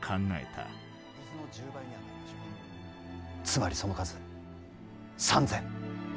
つまりその数３，０００。